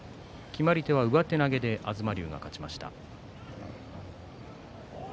決まり手は上手投げで東龍が勝ちました。